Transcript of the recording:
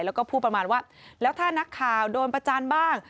แล้วก็พูดประมาณว่าแล้วถ้านักข่าวโดนประจานบ้าง